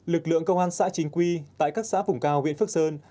lực lượng công an xã chính quy tại các xã vùng cao huyện phước sơn